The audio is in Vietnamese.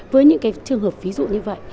với những trường hợp ví dụ như vậy